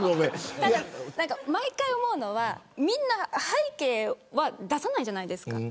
毎回思うのはみんな背景は出さないじゃないですか。